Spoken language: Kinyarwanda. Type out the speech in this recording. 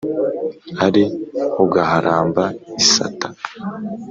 Ari uguharamba isata